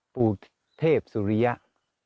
ปู่เทพสุริยะ